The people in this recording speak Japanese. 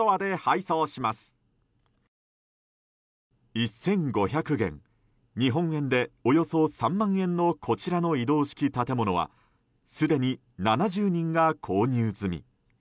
１５００元日本円でおよそ３万円のこちらの移動式建物はすでに７０人が購入済み。